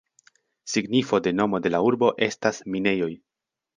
Signifo de nomo de la urbo estas "minejoj".